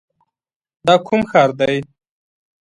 دا کوم ښار دی؟